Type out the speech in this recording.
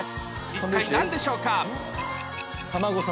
一体何でしょうか？